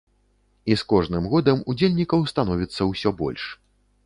І з кожным годам удзельнікаў становіцца ўсё больш.